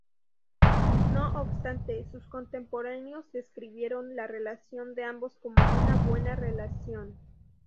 No obstante, sus contemporáneos describieron la relación de ambos como "Una buena relación".